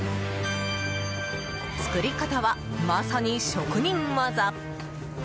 作り方は、まさに職人技。